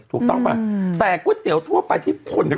ถูกต้องป่ะแต่ก๋วยเตี๋ยวทั่วไปที่คนก็